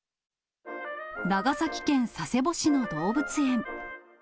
長崎県佐世保市の動物園。